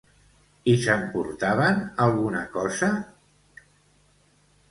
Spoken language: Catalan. I s'emportaven alguna cosa?